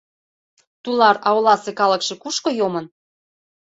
Тулар, а оласе калыкше кушко йомын?